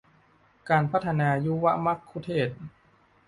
การพัฒนายุวมัคคุเทศก์